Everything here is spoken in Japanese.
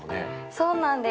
そうなんです。